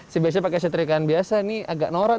saya biasanya pakai setrikaan biasa ini agak norak